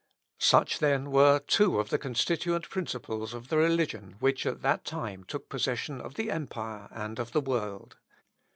Such, then, were two of the constituent principles of the religion which at that time took possession of the empire, and of the world.